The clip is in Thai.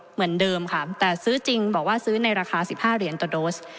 เหมือนเดิมค่ะแต่ซื้อจริงบอกว่าซื้อในราคา๑๕เหรียญต่อโดส